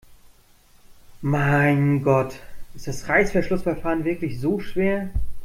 Mein Gott, ist das Reißverschlussverfahren wirklich so schwer?